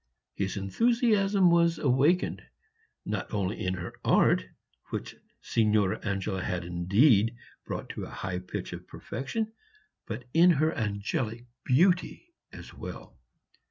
His enthusiasm was awakened, not only in her art which Signora Angela had indeed brought to a high pitch of perfection but in her angelic beauty as well.